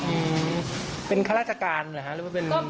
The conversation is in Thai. อืมเป็นครราชการหรือเป็นกุฐักเนาะ